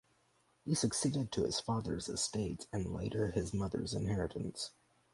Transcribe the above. He succeeded to his father’s estates and later his mother’s inheritance.